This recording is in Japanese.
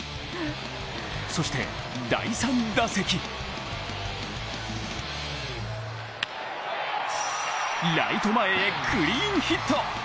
そして第３打席ライト前へクリーンヒット！